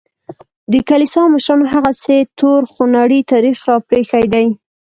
د کلیسا مشرانو هغسې تور خونړی تاریخ راپرېښی دی.